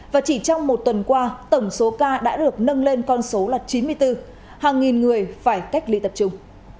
và chỉ trong một tuần qua tổng số ca đã được nâng lên con số là chín mươi bốn hàng nghìn người phải cách ly tập trung